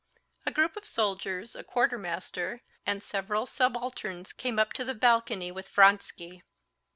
A group of soldiers, a quartermaster, and several subalterns came up to the balcony with Vronsky.